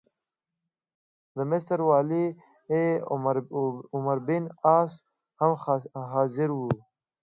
د مصر والي عمروبن عاص هم حاضر وو.